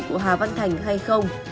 của hà văn thành hay không